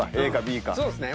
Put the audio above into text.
そうですね。